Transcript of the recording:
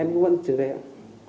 em cũng vẫn chuyển về ạ